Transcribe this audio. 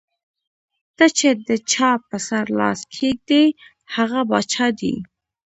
ته چې د چا پۀ سر لاس کېږدې ـ هغه باچا دے ـ